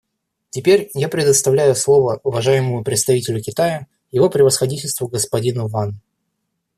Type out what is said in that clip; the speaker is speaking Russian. Теперь я предоставляю слово уважаемому представителю Китая его превосходительству господину Ван.